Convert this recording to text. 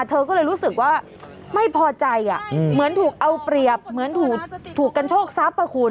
เธอก็เลยรู้สึกว่าไม่พอใจเหมือนถูกเอาเปรียบเหมือนถูกกันโชคทรัพย์อ่ะคุณ